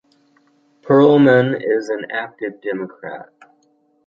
Perlman is an active Democrat.